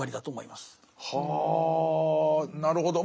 はあなるほど。